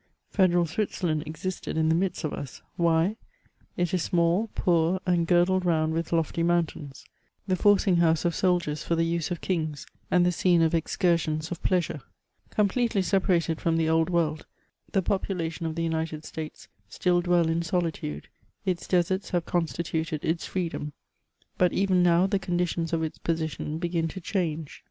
Federal Switzerland existed in the midst of us ; why ? It is small, poor, and girdled round with lofty mountains ; the forcing house of soldiers for the use of kings, and the scene of excursions of plea sure. Completely separated from the Old World, the population of the United States still dwell in solitude ; its deserts have constituted its freedom ; but even now the conditions of its position begin to change.